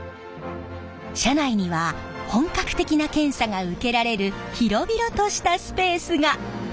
車内には本格的な検査が受けられる広々としたスペースが！